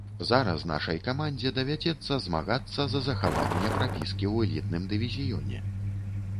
Зараз нашай камандзе давядзецца змагацца за захаванне прапіскі ў элітным дывізіёне.